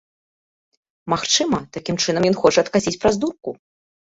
Магчыма, такім чынам ён хоча адкасіць праз дурку.